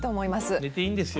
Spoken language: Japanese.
寝ていいんですよ。